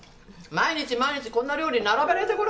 毎日毎日こんな料理並べられてごらん。